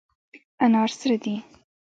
انار سره دي.